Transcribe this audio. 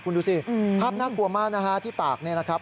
คุณดูสิภาพน่ากลัวมากนะฮะที่ปากเนี่ยนะครับ